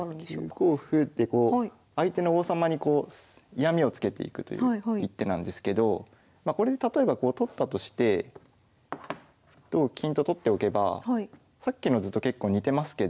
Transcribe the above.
９五歩ってこう相手の王様にこう嫌みをつけていくという一手なんですけどこれで例えばこう取ったとして同金と取っておけばさっきの図と結構似てますけど。